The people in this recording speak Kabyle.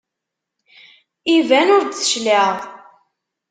Iban ur d-tecliεeḍ.